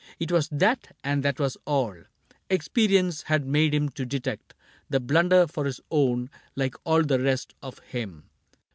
It was that, and that was all : Experience had made him to detect The blunder for his own, like all the rest Of him.